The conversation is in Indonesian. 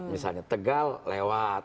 misalnya tegal lewat